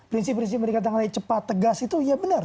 prinsip prinsip mereka tangani cepat tegas itu ya benar